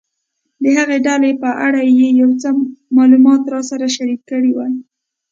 د هغې ډلې په اړه یې یو څه معلومات راسره شریک کړي ول.